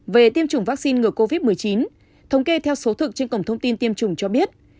về tiêm chủng vaccine ngừa covid một mươi chín thống kê theo số thực trên cổng thông tin tiêm chủng cho biết